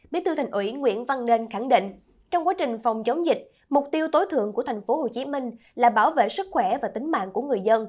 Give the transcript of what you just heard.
bí thư thành ủy nguyễn văn nên khẳng định trong quá trình phòng chống dịch mục tiêu tối thượng của tp hcm là bảo vệ sức khỏe và tính mạng của người dân